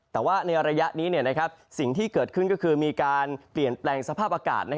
แต่ว่าในระยะนี้สิ่งที่เกิดขึ้นก็คือมีการเปลี่ยนแปลงสภาพอากาศ